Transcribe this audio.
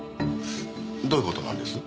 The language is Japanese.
どういう事なんです？